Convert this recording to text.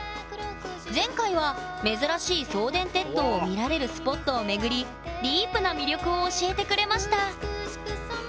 前回は珍しい送電鉄塔を見られるスポットを巡りディープな魅力を教えてくれました